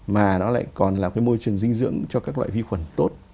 mà nó lại còn là cái môi trường dinh dưỡng cho các loại vi khuẩn tốt